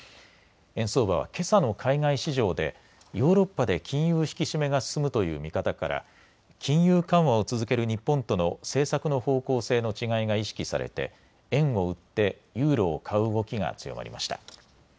円相場はけさの海外市場でヨーロッパで金融引き締めが進むという見方から金融緩和を続ける日本との政策の方向性の違いが意識されて円を売ってユーロを買う動きが強まりました。